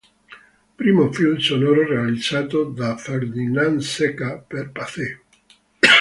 Primo film sonoro realizzato da Ferdinand Zecca per Pathé.